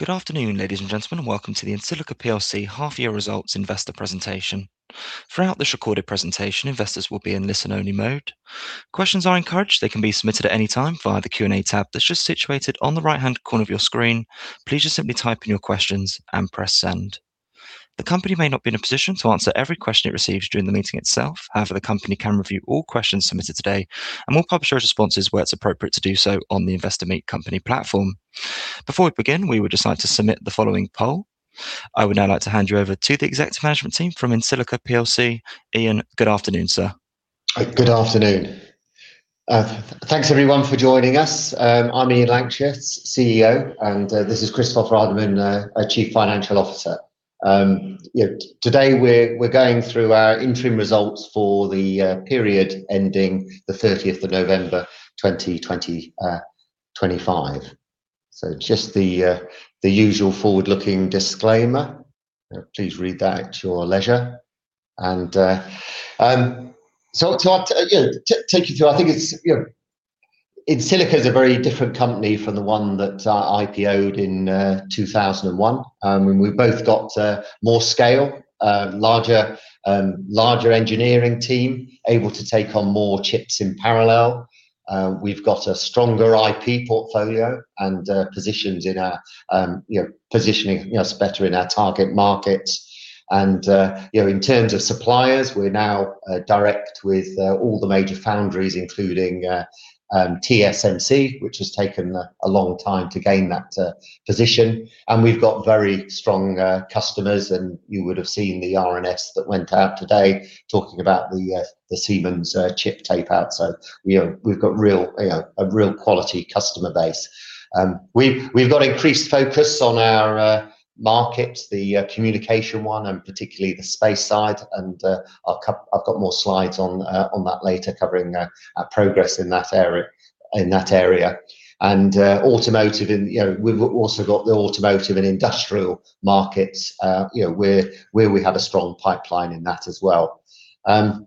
Good afternoon, ladies and gentlemen. Welcome to the EnSilica PLC half-year results investor presentation. Throughout this recorded presentation, investors will be in listen-only mode. Questions are encouraged. They can be submitted at any time via the Q&A tab that's just situated on the right-hand corner of your screen. Please just simply type in your questions and press Send. The company may not be in a position to answer every question it receives during the meeting itself, however, the company can review all questions submitted today, and we'll publish our responses where it's appropriate to do so on the Investor Meet Company platform. Before we begin, we would just like to submit the following poll. I would now like to hand you over to the executive management team from EnSilica PLC. Ian, good afternoon, sir. Good afternoon. Thanks, everyone, for joining us. I'm Ian Lankshear, CEO, and this is Kristoffer Rademan, our Chief Financial Officer. Yeah, today, we're going through our interim results for the period ending the thirtieth of November 2025. So just the usual forward-looking disclaimer. Please read that at your leisure. So to take you through, I think it's, you know, EnSilica is a very different company from the one that IPO'd in 2001. And we've both got more scale, larger engineering team, able to take on more chips in parallel. We've got a stronger IP portfolio and positions in our, you know, positioning us better in our target markets. You know, in terms of suppliers, we're now direct with all the major foundries, including TSMC, which has taken a long time to gain that position. We've got very strong customers, and you would have seen the RNS that went out today talking about the Siemens chip tape-out. So, you know, we've got a real quality customer base. We've got increased focus on our markets, the communication one, and particularly the space side, and I've got more slides on that later, covering our progress in that area. Automotive and, you know, we've also got the automotive and industrial markets, you know, where we have a strong pipeline in that as well. Yeah,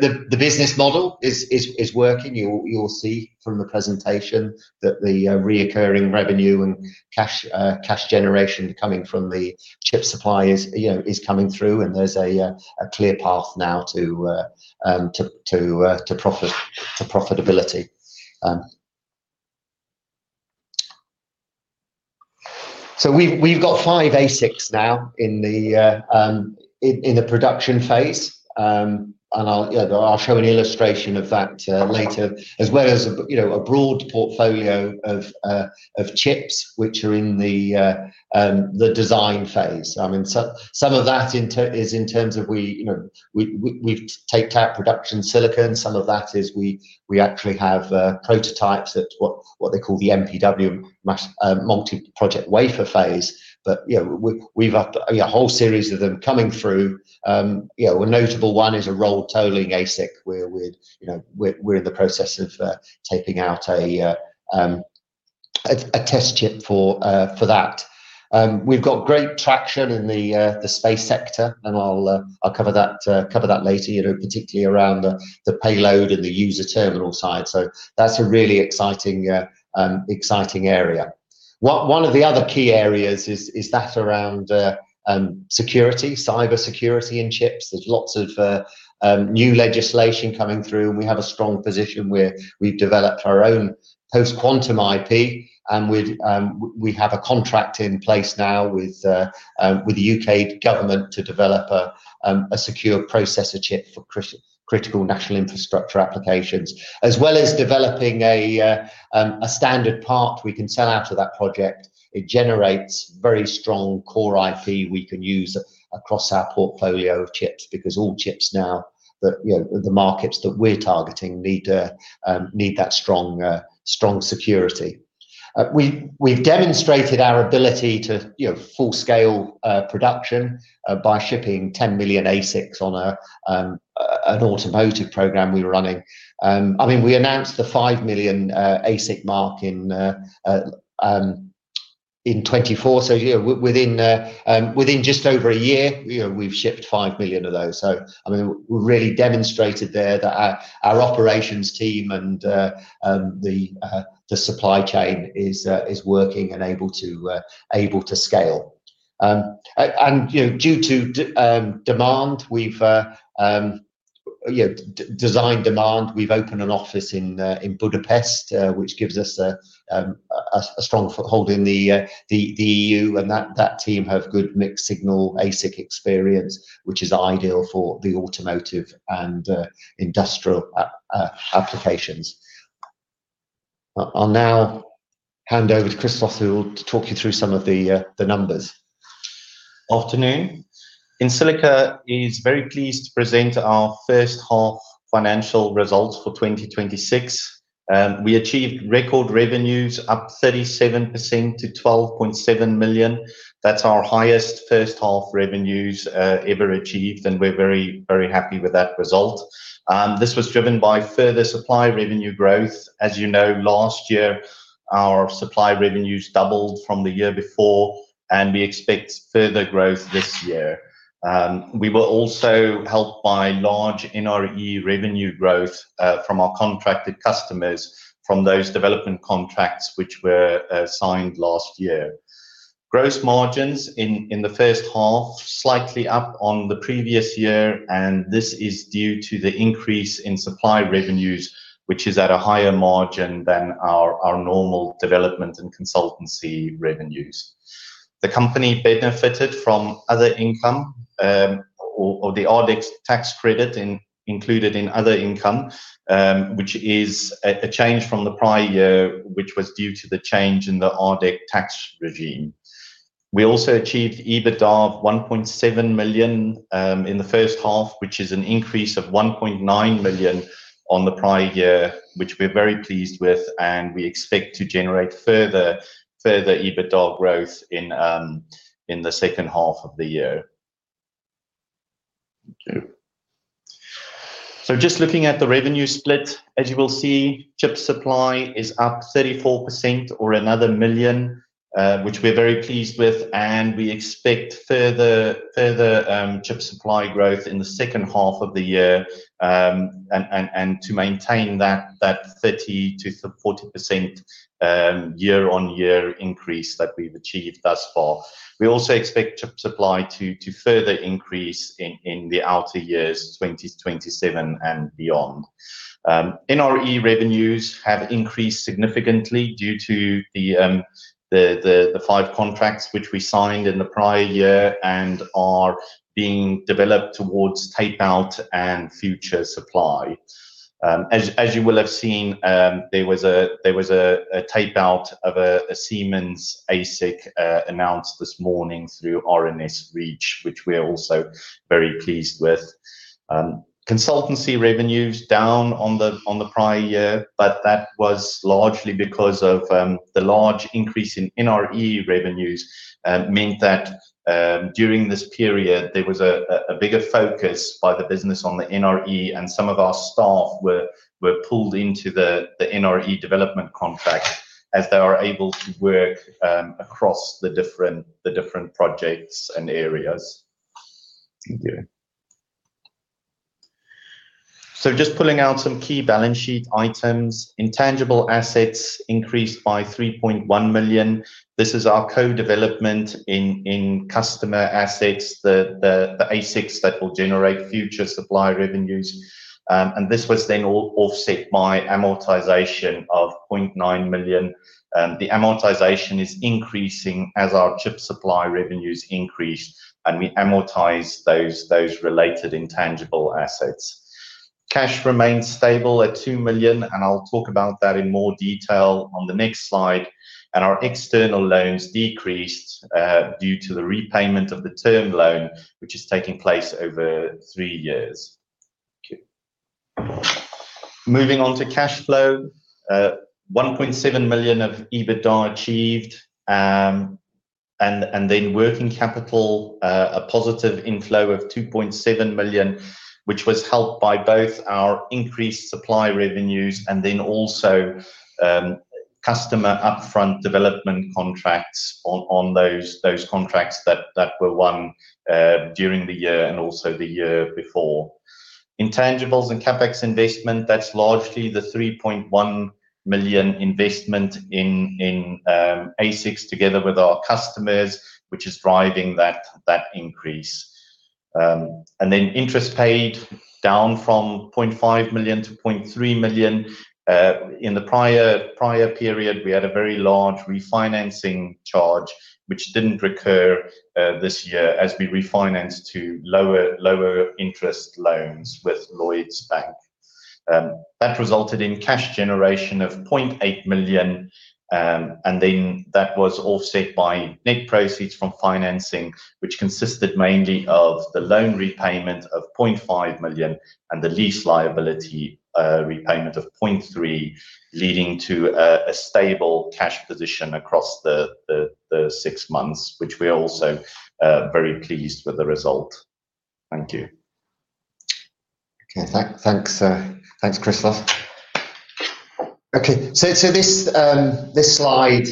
the business model is working. You'll see from the presentation that the recurring revenue and cash generation coming from the chip supply is, you know, coming through, and there's a clear path now to profit, to profitability. So we've got five ASICs now in the production phase. And I'll show an illustration of that later, as well as, you know, a broad portfolio of chips which are in the design phase. I mean, some of that is in terms of, you know, we've taped out production silicon. Some of that is we actually have prototypes. That's what they call the MPW, Multi-Project Wafer phase. You know, we've got a whole series of them coming through. You know, a notable one is a road tolling ASIC, where we're, you know, in the process of taping out a test chip for that. We've got great traction in the space sector, and I'll cover that later, you know, particularly around the payload and the user terminal side. So that's a really exciting area. One of the other key areas is that around security, cybersecurity and chips. There's lots of new legislation coming through, and we have a strong position where we've developed our own post-quantum IP, and we have a contract in place now with the U.K. government to develop a secure processor chip for critical national infrastructure applications. As well as developing a standard part we can sell out to that project, it generates very strong core IP we can use across our portfolio of chips, because all chips now that, you know, the markets that we're targeting need that strong security. We've demonstrated our ability to, you know, full-scale production by shipping 10 million ASICs on an automotive program we were running. I mean, we announced the 5 million ASIC mark in 2024. So, yeah, within just over a year, you know, we've shipped 5 million of those. So, I mean, we really demonstrated there that our operations team and the supply chain is working and able to scale. You know, due to design demand, we've opened an office in Budapest, which gives us a strong foothold in the EU, and that team have good mixed signal ASIC experience, which is ideal for the automotive and industrial applications. I'll now hand over to Kristoffer, who will talk you through some of the numbers. Afternoon. EnSilica is very pleased to present our first half financial results for 2026. We achieved record revenues, up 37% to 12.7 million. That's our highest first half revenues ever achieved, and we're very, very happy with that result. This was driven by further supply revenue growth. As you know, last year, our supply revenues doubled from the year before, and we expect further growth this year. We were also helped by large NRE revenue growth from our contracted customers from those development contracts which were signed last year. Gross margins in the first half, slightly up on the previous year, and this is due to the increase in supply revenues, which is at a higher margin than our normal development and consultancy revenues. The company benefited from other income, or the RDEC tax credit included in other income, which is a change from the prior year, which was due to the change in the RDEC tax regime. We also achieved EBITDA of 1.7 million in the first half, which is an increase of 1.9 million on the prior year, which we're very pleased with, and we expect to generate further EBITDA growth in the second half of the year. Thank you. So just looking at the revenue split, as you will see, chip supply is up 34% or another 1 million, which we're very pleased with, and we expect further chip supply growth in the second half of the year. And to maintain that 30%-40% year-on-year increase that we've achieved thus far. We also expect chip supply to further increase in the outer years, 2027 and beyond. NRE revenues have increased significantly due to the five contracts which we signed in the prior year and are being developed towards tape-out and future supply. As you will have seen, there was a tape-out of a Siemens ASIC announced this morning through RNS Reach, which we are also very pleased with. Consultancy revenues down on the prior year, but that was largely because of the large increase in NRE revenues meant that during this period, there was a bigger focus by the business on the NRE, and some of our staff were pulled into the NRE development contract as they are able to work across the different projects and areas. Thank you. So just pulling out some key balance sheet items, intangible assets increased by 3.1 million. This is our co-development in customer assets, the ASICs that will generate future supply revenues. And this was then all offset by amortization of 0.9 million, and the amortization is increasing as our chip supply revenues increase, and we amortize those related intangible assets. Cash remains stable at 2 million, and I'll talk about that in more detail on the next slide, and our external loans decreased due to the repayment of the term loan, which is taking place over three years. Thank you. Moving on to cash flow, 1.7 million of EBITDA achieved, and then working capital, a positive inflow of 2.7 million, which was helped by both our increased supply revenues and then also customer upfront development contracts on those contracts that were won during the year and also the year before. Intangibles and CapEx investment, that's largely the 3.1 million investment in ASICs together with our customers, which is driving that increase. And then interest paid down from 0.5 million to 0.3 million. In the prior period, we had a very large refinancing charge, which didn't recur this year as we refinanced to lower interest loans with Lloyds Bank. That resulted in cash generation of 0.8 million, and then that was offset by net proceeds from financing, which consisted mainly of the loan repayment of 0.5 million and the lease liability repayment of 0.3 million, leading to a stable cash position across the six months, which we are also very pleased with the result. Thank you. Okay, thanks, Kristoffer. Okay, so this slide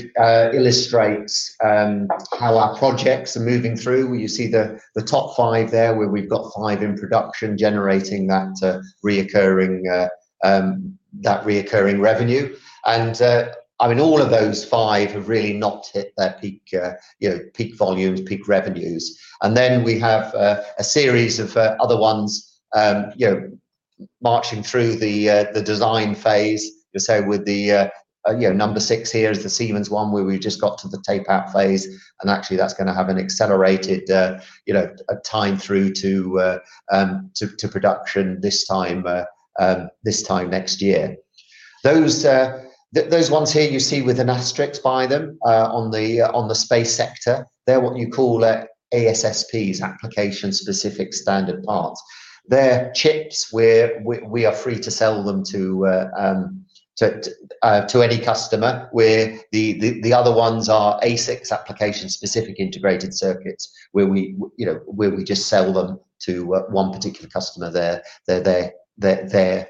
illustrates how our projects are moving through. You see the top five there, where we've got five in production generating that recurring revenue, and I mean, all of those five have really not hit their peak, you know, peak volumes, peak revenues. And then we have a series of other ones, you know, marching through the design phase. So, you know, number six here is the Siemens one, where we just got to the tape-out phase, and actually, that's gonna have an accelerated, you know, time through to production this time next year. Those, those ones here you see with an asterisk by them, on the space sector, they're what you call, ASSPs, application-specific standard parts. They're chips where we are free to sell them to any customer, where the other ones are ASICs, application-specific integrated circuits, where you know, where we just sell them to one particular customer, their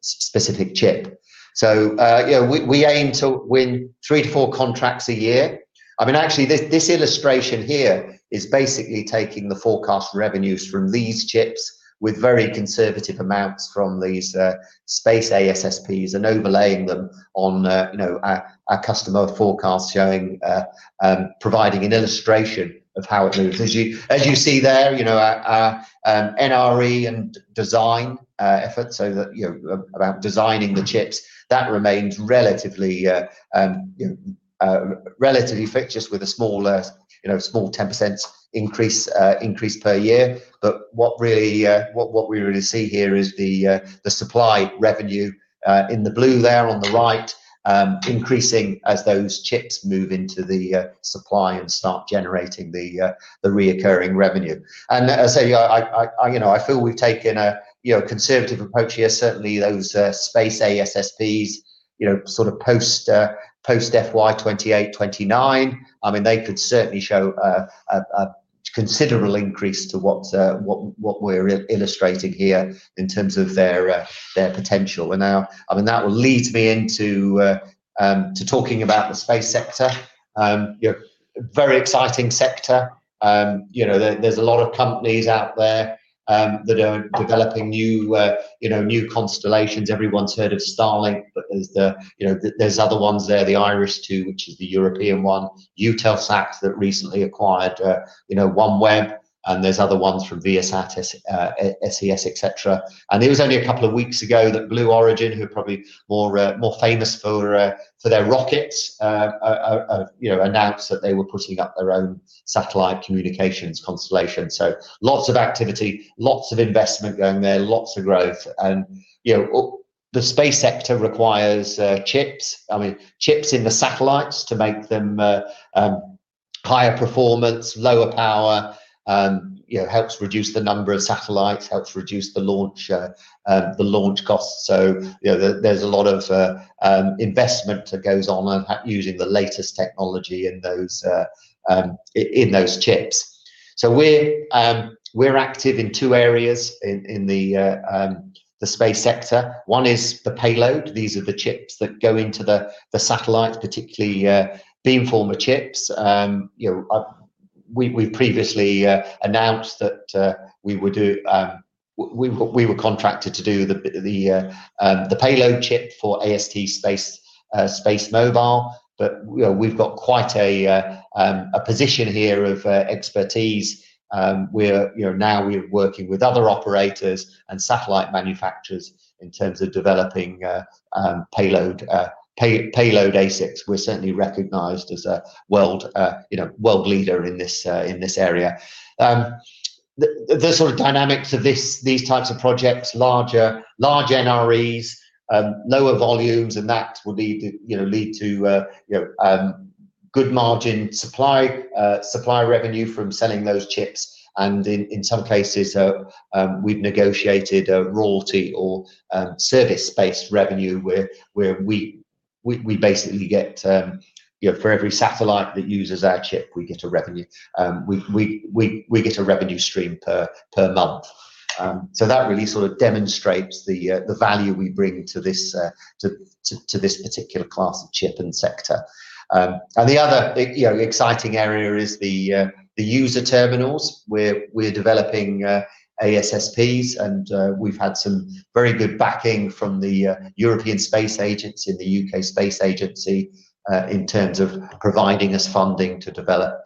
specific chip. So, you know, we aim to win three to four contracts a year. I mean, actually, this illustration here is basically taking the forecast revenues from these chips with very conservative amounts from these space ASSPs and overlaying them on, you know, our customer forecast, showing, providing an illustration of how it moves. As you see there, you know, our NRE and design efforts, so that, you know, about designing the chips, that remains relatively fixed, just with a small, you know, small 10% increase per year. But what really, what we really see here is the supply revenue in the blue there on the right, increasing as those chips move into the supply and start generating the recurring revenue. And as I say, you know, I feel we've taken a conservative approach here. Certainly, those space ASSPs, you know, sort of post FY 2028, 2029, I mean, they could certainly show a considerable increase to what we're illustrating here in terms of their potential. And now, I mean, that will lead me into talking about the space sector. You know, very exciting sector. You know, there, there's a lot of companies out there that are developing new, you know, new constellations. Everyone's heard of Starlink, but there's the, you know, there, there's other ones there, the IRIS², which is the European one. Eutelsat that recently acquired, you know, OneWeb, and there's other ones from Viasat, SES, et cetera. It was only a couple of weeks ago that Blue Origin, who are probably more famous for their rockets, you know, announced that they were putting up their own satellite communications constellation. Lots of activity, lots of investment going there, lots of growth. You know, the space sector requires chips, I mean, chips in the satellites to make them higher performance, lower power, you know, helps reduce the number of satellites, helps reduce the launch costs. You know, there's a lot of investment that goes on at using the latest technology in those chips. We're active in two areas in the space sector. One is the payload. These are the chips that go into the satellite, particularly beamformer chips. You know, we previously announced that we were contracted to do the payload chip for AST SpaceMobile. But, you know, we've got quite a position here of expertise. We're, you know, now working with other operators and satellite manufacturers in terms of developing payload ASICs. We're certainly recognized as a world, you know, world leader in this, in this area. The sort of dynamics of these types of projects, large NREs, lower volumes, and that will lead to, you know, good margin supply revenue from selling those chips. And in some cases, we've negotiated a royalty or service-based revenue, where we basically get, you know, for every satellite that uses our chip, we get a revenue. We get a revenue stream per month. So that really sort of demonstrates the value we bring to this particular class of chip and sector. And the other, you know, exciting area is the user terminals, where we're developing ASSPs, and we've had some very good backing from the European Space Agency and the U.K. Space Agency in terms of providing us funding to develop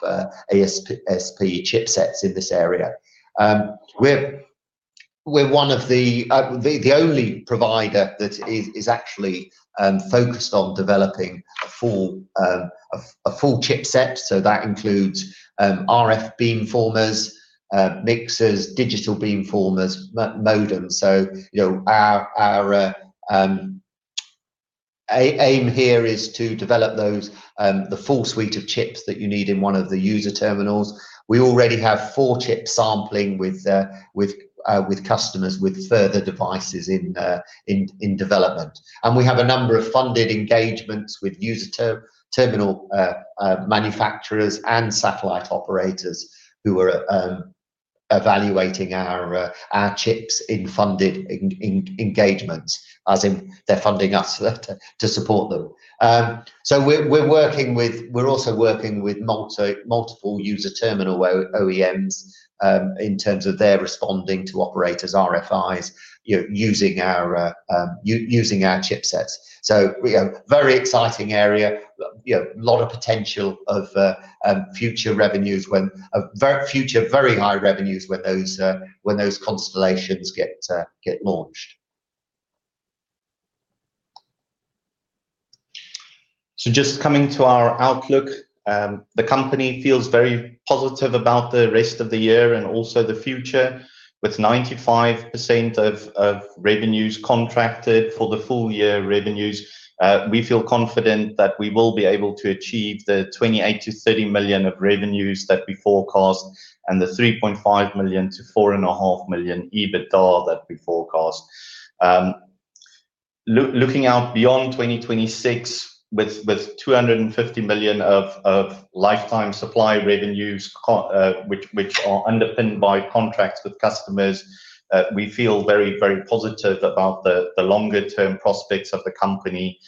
ASSP chipsets in this area. We're one of the only providers that is actually focused on developing a full chipset. So that includes RF beamformers, mixers, digital beamformers, modems. So, you know, our aim here is to develop those, the full suite of chips that you need in one of the user terminals. We already have four chips sampling with customers, with further devices in development. We have a number of funded engagements with user terminal manufacturers and satellite operators, who are evaluating our chips in funded engagements, as in they're funding us to support them. So we're also working with multiple user terminal OEMs, in terms of their responding to operators' RFIs, using our chipsets. So, you know, very exciting area, you know, a lot of potential of future revenues when very future, very high revenues when those constellations get launched. So just coming to our outlook, the company feels very positive about the rest of the year and also the future. With 95% of revenues contracted for the full year revenues, we feel confident that we will be able to achieve the 28 million-30 million of revenues that we forecast and the 3.5 million-4.5 million EBITDA that we forecast. Looking out beyond 2026, with 250 million of lifetime supply revenues, which are underpinned by contracts with customers, we feel very, very positive about the longer-term prospects of the company.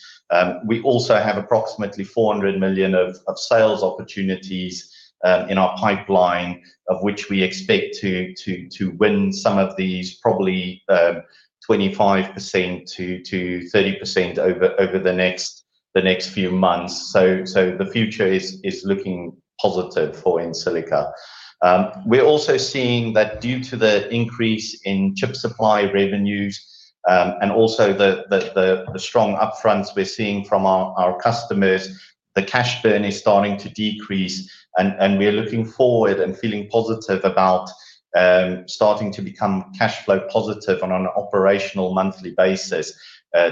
We also have approximately 400 million of sales opportunities in our pipeline, of which we expect to win some of these, probably 25%-30% over the next few months. So the future is looking positive for EnSilica. We're also seeing that due to the increase in chip supply revenues, and also the strong upfronts we're seeing from our customers, the cash burn is starting to decrease, and we're looking forward and feeling positive about starting to become cash flow positive on an operational monthly basis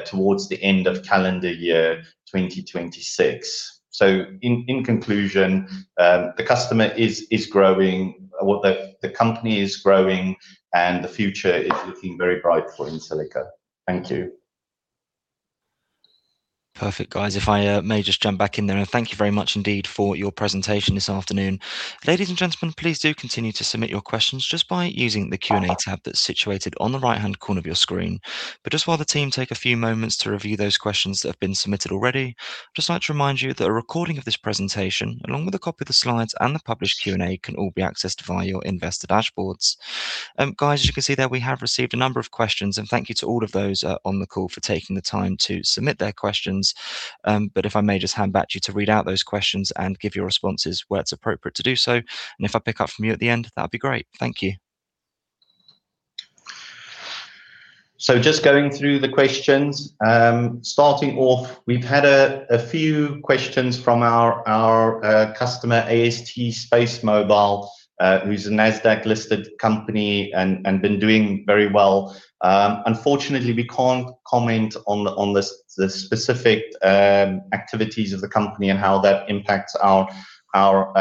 towards the end of calendar year 2026. So in conclusion, the customer is growing, or the company is growing, and the future is looking very bright for EnSilica. Thank you. Perfect, guys. If I may just jump back in there, and thank you very much indeed for your presentation this afternoon. Ladies and gentlemen, please do continue to submit your questions just by using the Q&A tab that's situated on the right-hand corner of your screen. But just while the team take a few moments to review those questions that have been submitted already, I'd just like to remind you that a recording of this presentation, along with a copy of the slides and the published Q&A, can all be accessed via your investor dashboards. Guys, as you can see there, we have received a number of questions, and thank you to all of those on the call for taking the time to submit their questions. But if I may just hand back to you to read out those questions and give your responses where it's appropriate to do so, and if I pick up from you at the end, that would be great. Thank you. So just going through the questions, starting off, we've had a few questions from our customer, AST SpaceMobile, who's a NASDAQ-listed company and been doing very well. Unfortunately, we can't comment on the specific activities of the company and how that impacts our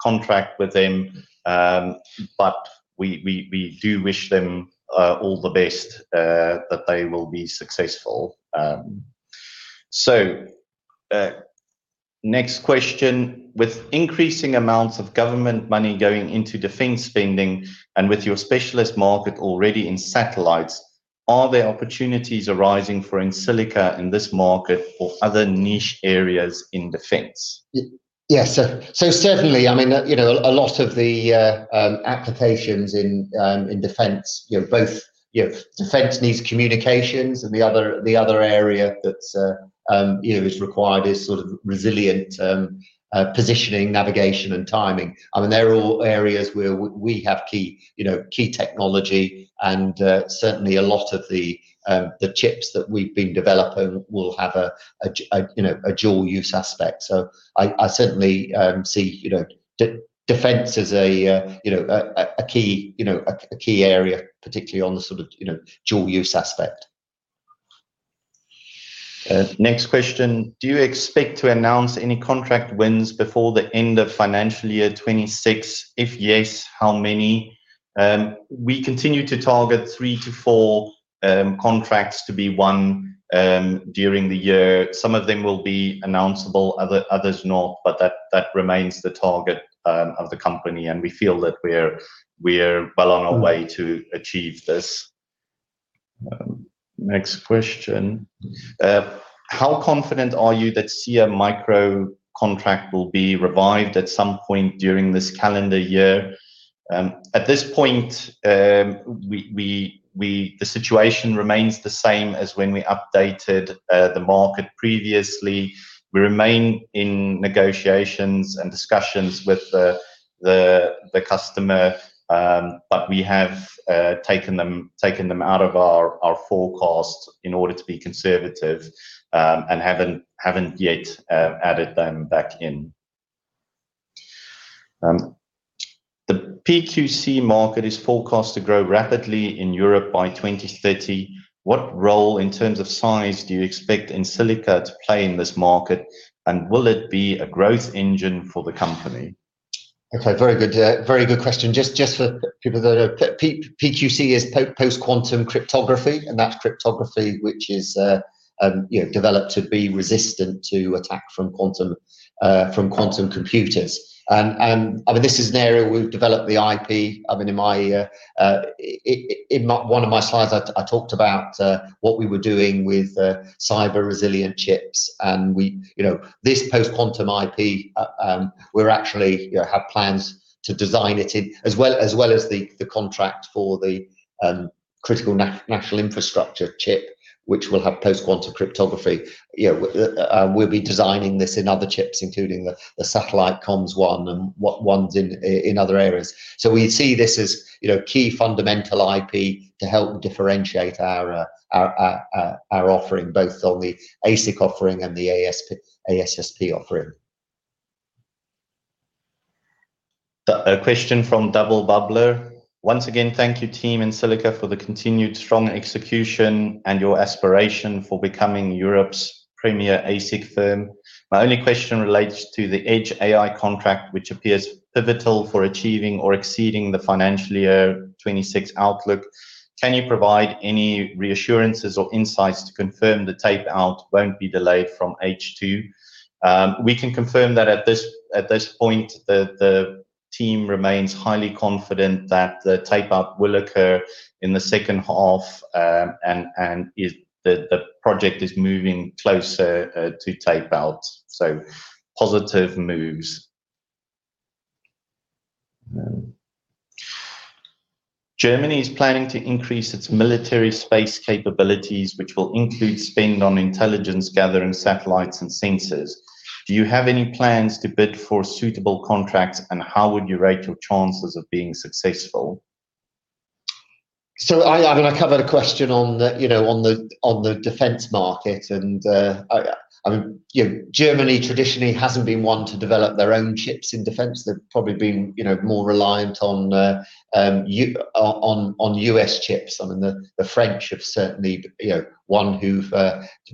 contract with them. But we do wish them all the best, that they will be successful. Next question: With increasing amounts of government money going into defense spending and with your specialist market already in satellites, are there opportunities arising for EnSilica in this market or other niche areas in defense? Yes, so certainly, I mean, you know, a lot of the applications in defense, you know, both, you know, defense needs communications, and the other, the other area that's is required is sort of resilient positioning, navigation, and timing. I mean, they're all areas where we have key, you know, key technology and certainly a lot of the chips that we've been developing will have a, you know, a dual use aspect. So I certainly see, you know, defense as a, you know, a key area, particularly on the sort of, you know, dual use aspect. Next question: Do you expect to announce any contract wins before the end of financial year 2026? If yes, how many? We continue to target three-four contracts to be won during the year. Some of them will be announceable, others not, but that remains the target of the company, and we feel that we're well on our way to achieve this. Next question. How confident are you that SIAE Microelettronica contract will be revived at some point during this calendar year? At this point, the situation remains the same as when we updated the market previously. We remain in negotiations and discussions with the customer, but we have taken them out of our forecast in order to be conservative, and haven't yet added them back in. The PQC market is forecast to grow rapidly in Europe by 2030. What role in terms of size do you expect EnSilica to play in this market, and will it be a growth engine for the company? Okay, very good, very good question. Just for people that are, PQC is post-quantum cryptography, and that's cryptography which is, you know, developed to be resistant to attack from quantum, from quantum computers. And, I mean, this is an area we've developed the IP. I mean, in my, in one of my slides, I talked about what we were doing with cyber resilient chips, and we, you know, this post-quantum IP, we're actually, you know, have plans to design it in as well as well as the contract for the critical national infrastructure chip, which will have post-quantum cryptography. You know, we'll be designing this in other chips, including the satellite comms one and ones in other areas. So we see this as, you know, key fundamental IP to help differentiate our offering, both on the ASIC offering and the ASP, ASSP offering. A question from Double Bubbler: Once again, thank you, team EnSilica, for the continued strong execution and your aspiration for becoming Europe's premier ASIC firm. My only question relates to the Edge AI contract, which appears pivotal for achieving or exceeding the financial year 2026 outlook. Can you provide any reassurances or insights to confirm the tape-out won't be delayed from H2? We can confirm that at this point, the team remains highly confident that the tape-out will occur in the second half, and the project is moving closer to tape-out, so positive moves. Germany is planning to increase its military space capabilities, which will include spend on intelligence-gathering satellites and sensors. Do you have any plans to bid for suitable contracts, and how would you rate your chances of being successful? So I mean, I covered a question on the, you know, on the defense market, and I mean, you know, Germany traditionally hasn't been one to develop their own chips in defense. They've probably been, you know, more reliant on U.S. chips. I mean, the French have certainly, you know, ones who've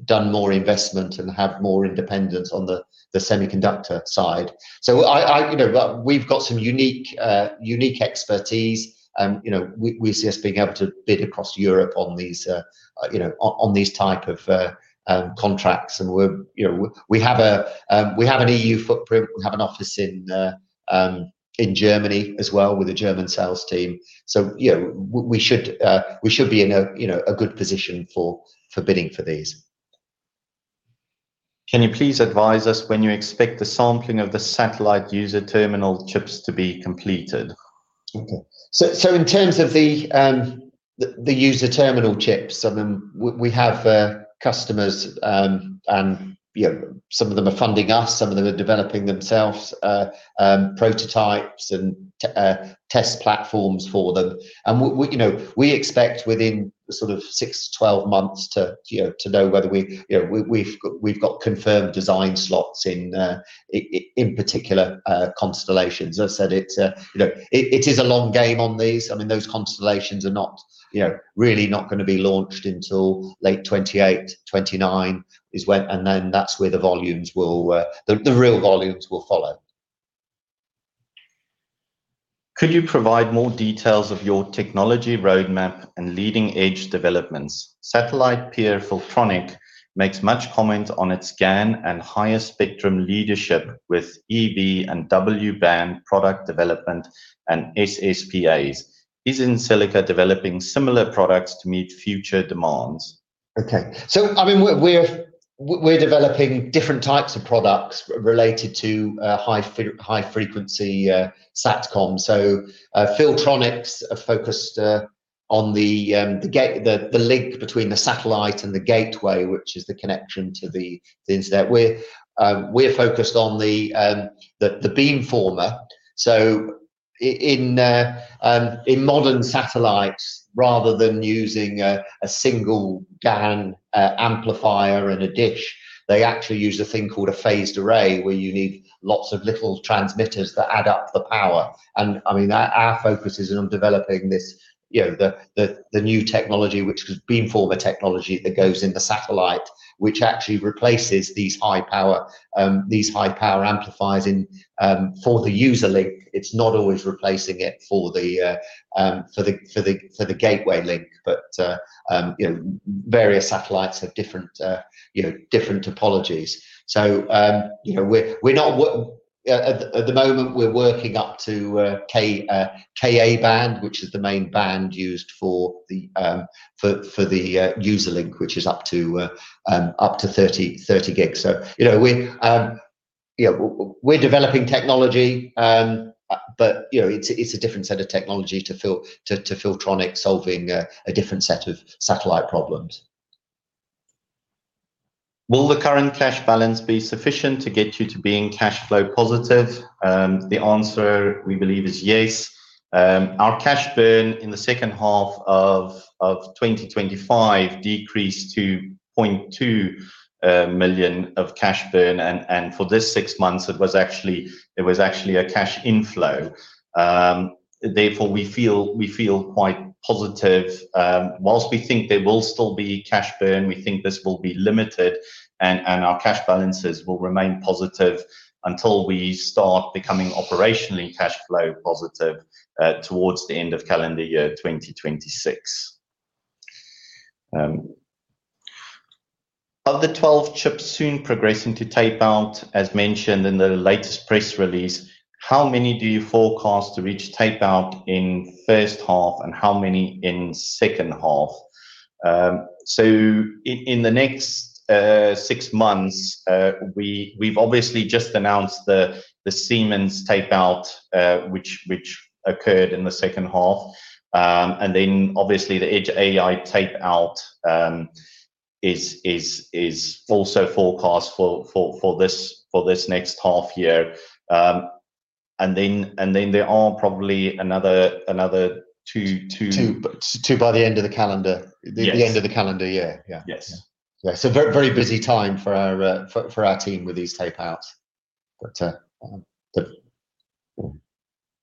done more investment and have more independence on the semiconductor side. So I you know, but we've got some unique expertise, you know, we see us being able to bid across Europe on these, you know, on these type of contracts. And we're, you know, we have an EU footprint. We have an office in Germany as well, with a German sales team. You know, we should be in a good position for bidding for these. Can you please advise us when you expect the sampling of the satellite user terminal chips to be completed? Okay. In terms of the user terminal chips, I mean, we have customers, and you know, some of them are funding us, some of them are developing themselves, prototypes and test platforms for them. We you know, we expect within sort of six-12 months to you know, to know whether we... You know, we've got confirmed design slots in particular constellations. As I said, it's a you know, it is a long game on these. I mean, those constellations are not you know, really not gonna be launched until late 2028, 2029 is when, and then that's where the volumes will the real volumes will follow. Could you provide more details of your technology roadmap and leading-edge developments? Satellite peer Filtronic makes much comment on its GaN and higher spectrum leadership with E, B, and W-band product development and SSPAs. Is EnSilica developing similar products to meet future demands? Okay. So I mean, we're developing different types of products related to high-frequency Satcom. So Filtronic are focused on the link between the satellite and the gateway, which is the connection to the internet. We're focused on the beamformer. So in modern satellites, rather than using a single GaN amplifier and a dish, they actually use a thing called a phased array, where you need lots of little transmitters that add up the power. And I mean, our focus is on developing this, you know, the new technology, which is beamformer technology, that goes in the satellite, which actually replaces these high power amplifiers in. For the user link, it's not always replacing it for the gateway link, but you know, various satellites have different topologies. So, you know, at the moment, we're working up to Ka-band, which is the main band used for the user link, which is up to 30 gigs. So, you know, we're developing technology, but you know, it's a different set of technology to Filtronic solving a different set of satellite problems. Will the current cash balance be sufficient to get you to being cash flow positive? The answer, we believe, is yes. Our cash burn in the second half of 2025 decreased to 0.2 million cash burn, and for this six months, it was actually a cash inflow. Therefore, we feel quite positive. While we think there will still be cash burn, we think this will be limited, and our cash balances will remain positive until we start becoming operationally cash flow positive, towards the end of calendar year 2026. Of the 12 chips soon progressing to tape-out, as mentioned in the latest press release, how many do you forecast to reach tape-out in first half, and how many in second half? So in the next six months, we've obviously just announced the Siemens tape-out, which occurred in the second half. And then obviously, the Edge AI tape-out is also forecast for this next half year. And then there are probably another two. Two, two by the end of the calendar. Yes. The end of the calendar year. Yeah. Yes. Yeah. So very, very busy time for our team with these tape-outs.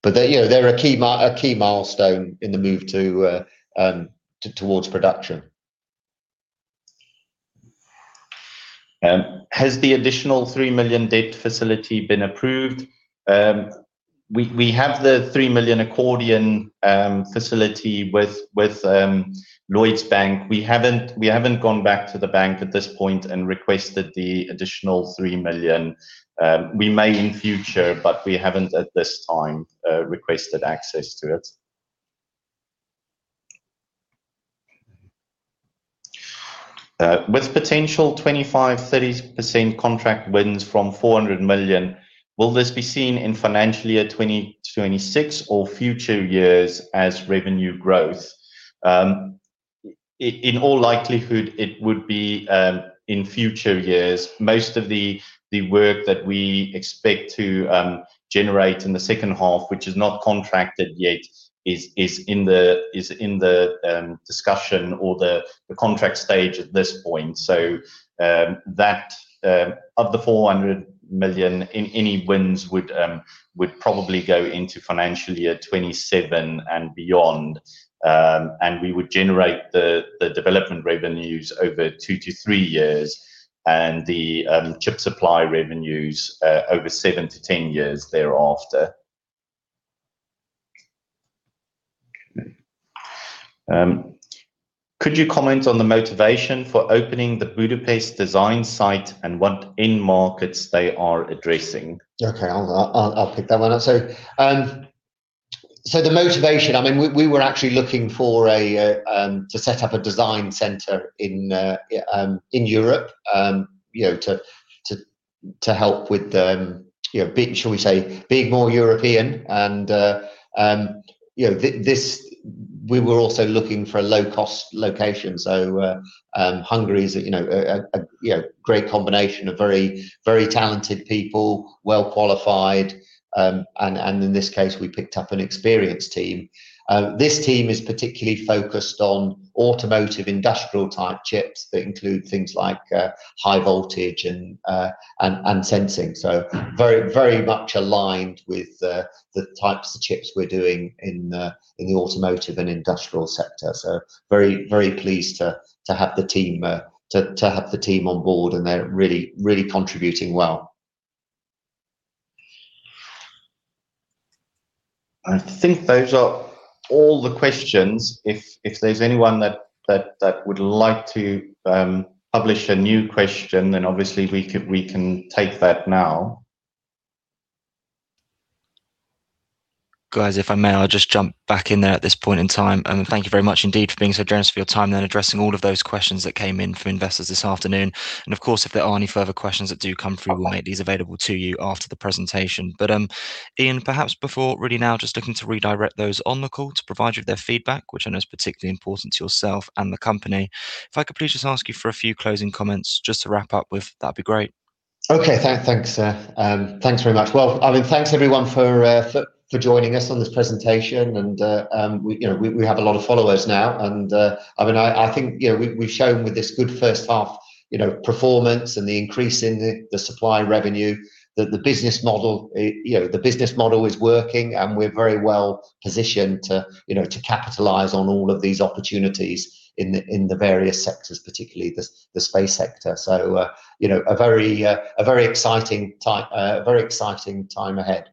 But they, you know, they're a key milestone in the move towards production. Has the additional 3 million debt facility been approved? We have the 3 million accordion facility with Lloyds Bank. We haven't gone back to the bank at this point and requested the additional 3 million. We may in future, but we haven't, at this time, requested access to it. With potential 25%-30% contract wins from 400 million, will this be seen in financial year 2026 or future years as revenue growth? In all likelihood, it would be in future years. Most of the work that we expect to generate in the second half, which is not contracted yet, is in the discussion or the contract stage at this point. That of the 400 million in any wins would probably go into financial year 2027 and beyond. We would generate the development revenues over two-three years, and the chip supply revenues over seven-10 years thereafter. Could you comment on the motivation for opening the Budapest design site and what end markets they are addressing? Okay, I'll pick that one up. So the motivation, I mean, we were actually looking for a to set up a design center in in Europe. You know, to help with, you know, being, shall we say, being more European and, you know, this, we were also looking for a low-cost location. So Hungary is, you know, a great combination of very, very talented people, well qualified, and in this case, we picked up an experienced team. This team is particularly focused on automotive, industrial-type chips that include things like high voltage and sensing. So very, very much aligned with the types of chips we're doing in the automotive and industrial sector. So very, very pleased to have the team on board, and they're really, really contributing well. I think those are all the questions. If there's anyone that would like to publish a new question, then obviously we can take that now. Guys, if I may, I'll just jump back in there at this point in time, and thank you very much indeed for being so generous with your time and addressing all of those questions that came in from investors this afternoon. And of course, if there are any further questions that do come through, we'll make these available to you after the presentation. But, Ian, perhaps before, really now just looking to redirect those on the call to provide you with their feedback, which I know is particularly important to yourself and the company. If I could please just ask you for a few closing comments just to wrap up with, that'd be great. Okay. Thanks, thanks very much. Well, I mean, thanks, everyone, for joining us on this presentation, and we, you know, we have a lot of followers now, and I mean, I think, you know, we, we've shown with this good first half, you know, performance and the increase in the supply revenue, that the business model, you know, the business model is working, and we're very well-positioned to, you know, to capitalize on all of these opportunities in the various sectors, particularly the space sector. So, you know, a very exciting time, a very exciting time ahead.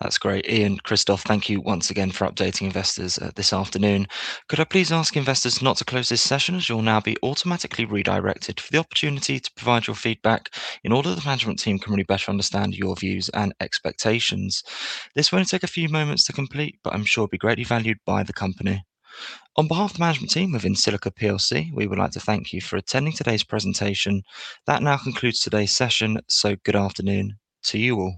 That's great. Ian, Kristoffer, thank you once again for updating investors this afternoon. Could I please ask investors not to close this session, as you'll now be automatically redirected for the opportunity to provide your feedback in order that the management team can really better understand your views and expectations? This will only take a few moments to complete, but I'm sure it'll be greatly valued by the company. On behalf of the management team of EnSilica PLC, we would like to thank you for attending today's presentation. That now concludes today's session, so good afternoon to you all.